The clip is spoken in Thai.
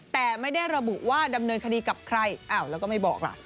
แต่ไม่ได้ระบุว่าดำเนินคดีกับใครอ้าวแล้วก็ไม่บอกล่ะ